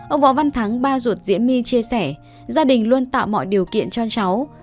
ông võ văn thắng ba ruột diễm my chia sẻ gia đình luôn tạo mọi điều kiện cho cháu